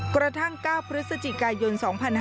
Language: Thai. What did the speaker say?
กระทั่ง๙พฤศจิกายน๒๕๕๙